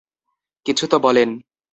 কিছু তো বলেন!